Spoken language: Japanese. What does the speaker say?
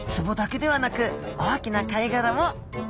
壺だけではなく大きな貝殻も。